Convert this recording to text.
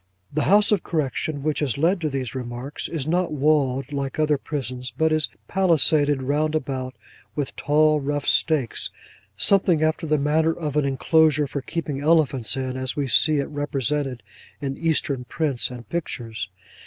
The House of Correction which has led to these remarks, is not walled, like other prisons, but is palisaded round about with tall rough stakes, something after the manner of an enclosure for keeping elephants in, as we see it represented in Eastern prints and pictures.